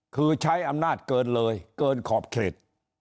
คือใช้อำนาจเกินเลยเกินขอบเขต